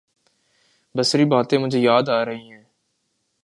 بسری باتیں مجھے یاد آ رہی ہیں۔